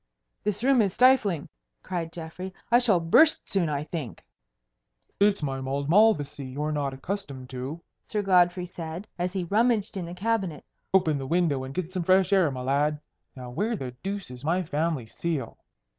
"This room is stifling," cried Geoffrey. "I shall burst soon, I think." "It's my mulled Malvoisie you're not accustomed to," Sir Godfrey said, as he rummaged in the cabinet. "Open the window and get some fresh air, my lad. Now where the deuce is my family seal?"